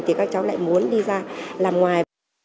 thì các cháu lại muốn đi ra làm ngoài